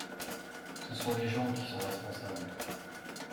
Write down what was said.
Ce sont les gens qui sont responsables.